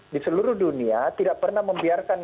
di seluruh dunia tidak pernah membiarkan